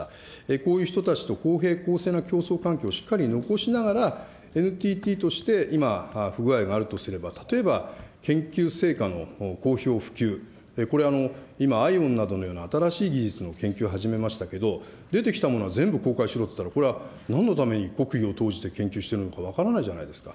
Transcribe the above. こういう人たちと公平公正な競争環境をしっかり残しながら、ＮＴＴとして今、不具合があるとすれば、例えば研究成果の公表普及、これは今、ＩＯＷＮなどのような新しい技術の研究を始めましたけれども、出てきたものは全部公開しろといったら、これはなんのために国費を投じて研究しているのか分からないじゃないですか。